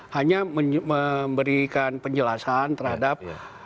hanya memberikan penjelasan terhadap